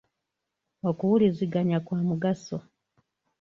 Okuwuliziganya kwa mugaso.